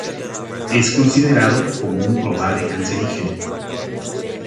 Es considerado como un probable cancerígeno.